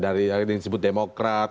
dari yang disebut demokrat